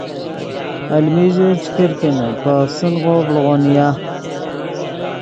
المی ژے چے کرکینے پے افسنغو ڤڑغو نیا